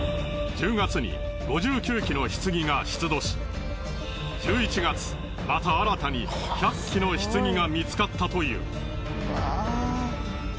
１０月に５９基の棺が出土し１１月また新たに１００基の棺が見つかったという。